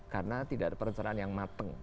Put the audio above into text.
karena tidak ada perencanaan yang mateng